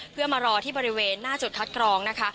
เพื่อมารอที่บริเวณหน้าจุดคัดกรองนะคะ